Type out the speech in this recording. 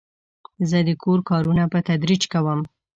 زه د کور کارونه په تدریج کوم.